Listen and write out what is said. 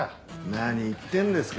何言ってんですか。